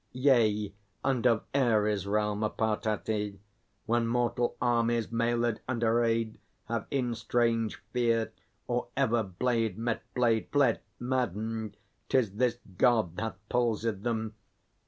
Yea, and of Ares' realm a part hath he. When mortal armies, mailèd and arrayed, Have in strange fear, or ever blade met blade, Fled maddened, 'tis this God hath palsied them.